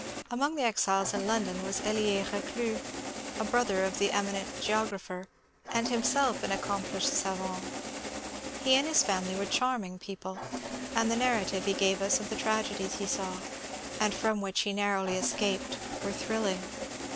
Among the exiles in London was Eli^ Rdclus, a brother of the eminent geographer, and himself an accomplished savant. He and his family were charming peo THE COMMUNE 269 pie, and the narrative lie gave us of the tragedies he saw, and from which he narrowly escaped, were thrilling.